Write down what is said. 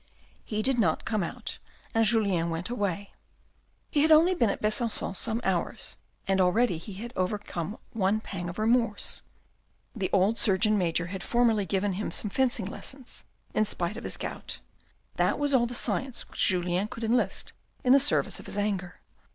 He did not come out, and Julien went away. He had only been at Besancon some hours, and already he had overcome one pang of remorse. The old surgeon major had formerly given him some fencing lessons, in spite of his gout. That was all the science which Julien could enlist in the service of his anger.